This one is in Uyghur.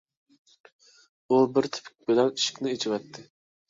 ئۇ بىر تېپىك بىلەن ئىشىكنى ئېچىۋەتتى.